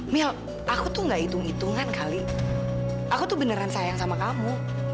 mel aku tuh gak itung itungan kali aku tuh beneran sayang sama kamu